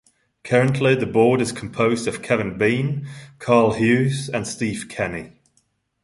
Currently, the board is composed of Kevin Bean, Carl Hughes, and Steve Kenney.